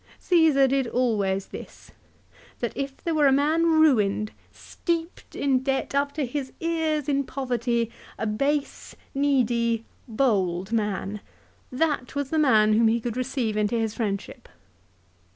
Caesar did always this, that if there were a man ruined, steeped in debt, up to his ears in poverty, a base, needy, bold man, that was the man whom he could receive into his friendship."